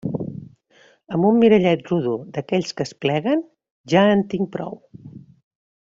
Amb un mirallet rodó d'aquells que es pleguen ja en tinc prou.